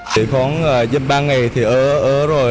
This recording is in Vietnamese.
thế phóng dân ban ngày thì ớ rồi